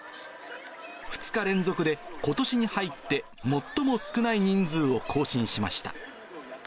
２日連続でことしに入って最も少ない人数を更新しました。